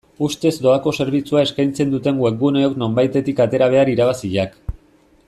Ustez doako zerbitzua eskaitzen duten webguneok nonbaitetik atera behar irabaziak.